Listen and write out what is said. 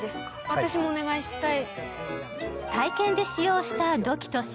私もお願いしたい。